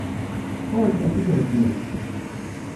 Ad wen-tent-id-heggin?